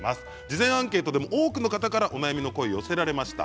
事前アンケートでも多くの方からお悩みの声寄せられました。